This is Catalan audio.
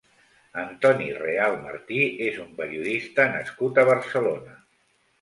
Antoni Real Martí és un periodista nascut a Barcelona.